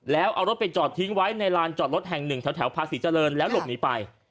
แล้วเอารถไปจอดทิ้งไว้ในลานจอดรถแห่งหนึ่งแถวภาษีเจริญแล้วหลบหนีไป